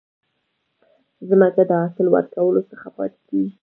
ځمکه د حاصل ورکولو څخه پاتي کیږي.